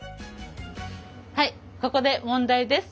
はいここで問題です。